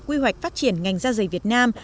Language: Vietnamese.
quy hoạch phát triển ngành da dày việt nam